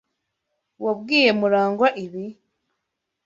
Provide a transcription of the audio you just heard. Wabwiye Murangwa ibi?